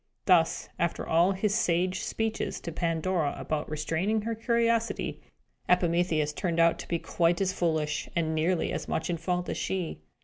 Thus, after all his sage speeches to Pandora about restraining her curiosity, Epimetheus turned out to be quite as foolish, and nearly as much in fault as she.